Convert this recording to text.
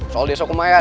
soal desa kemayan